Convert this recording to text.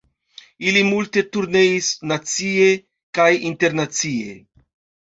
Ili multe turneis, nacie kaj internacie.